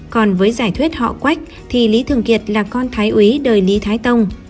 còn với giải thuyết họ quách thì lý thường kiệt là con thái úy đời lý thái tông